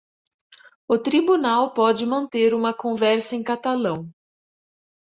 O tribunal pode manter uma conversa em catalão.